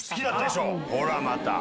ほらまた！